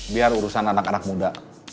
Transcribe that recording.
biar urusan anak anak muda